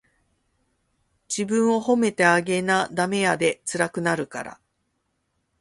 自分を褒めてあげなダメやで、つらくなるから。